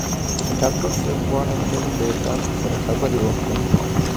ډاکټر صاحب غواړم نن له تاسو سره خبرې وکړم.